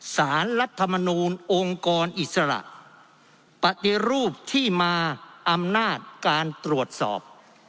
สารรัฐมนูลองค์กรอิสระปฏิรูปที่มาอำนาจการตรวจสอบ